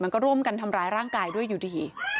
ก็ร่วมกันทำร้ายร่างกายด้วยอยู่ดี